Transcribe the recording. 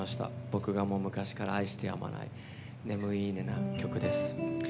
僕が昔から愛してやまない「眠いいね！」な曲です。